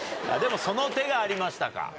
でも「その手がありましたか」。